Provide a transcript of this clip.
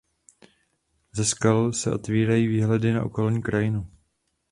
Ze skal se otevírají výhledy na okolní krajinu.